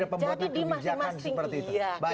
jadi di masking masking